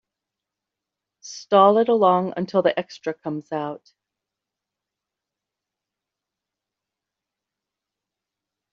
Stall it along until the extra comes out.